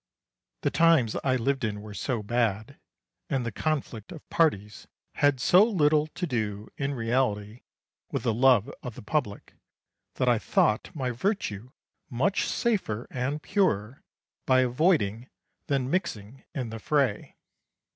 Atticus. The times I lived in were so bad, and the conflict of parties had so little to do in reality with the love of the public, that I thought my virtue much safer and purer by avoiding than mixing in the fray.